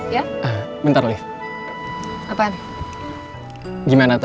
ya z bombat